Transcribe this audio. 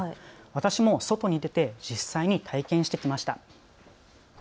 私も外に出て実際に体験してきました。